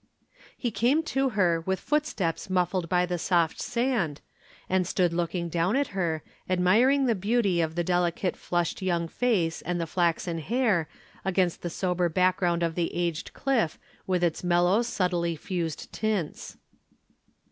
He came to her with footsteps muffled by the soft sand, and stood looking down at her, admiring the beauty of the delicate flushed young face and the flaxen hair against the sober background of the aged cliff with its mellow subtly fused tints.